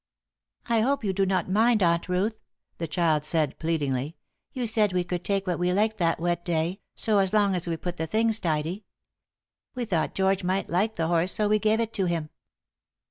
"I hope you do not mind, Aunt Ruth," the child said, pleadingly; "you said we could take what we liked that wet day, so long as we put the things tidy. We thought George might like the horse, so we gave it to him."